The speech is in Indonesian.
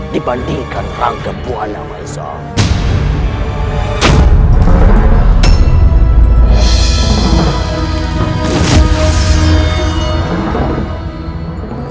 dibandingkan rangka buana maesah